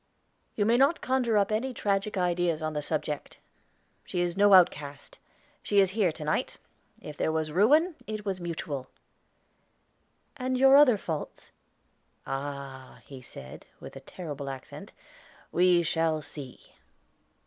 "You may not conjure up any tragic ideas on the subject. She is no outcast. She is here to night; if there was ruin, it was mutual." "And your other faults?" "Ah!" he said, with a terrible accent, "we shall see."